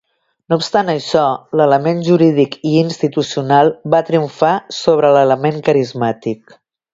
No obstant això, l'element jurídic i institucional va triomfar sobre l'element carismàtic.